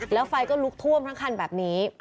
แล้วไฟก็ลุกท่วมทั้งคันแบบนี้